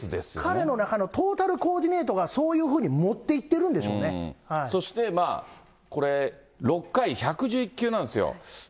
彼の中のトータルコーディネートがそういうふうに持っていっそして、これ、６回１１１球なんですよ。